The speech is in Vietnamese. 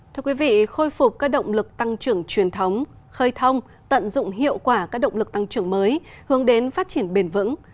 thưa quý vị khôi phục các động lực tăng trưởng truyền thống khơi thông tận dụng hiệu quả các động lực tăng trưởng mới hướng đến phát triển bền vững